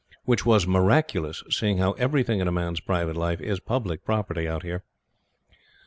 Which was miraculous, seeing how everything in a man's private life is public property out here.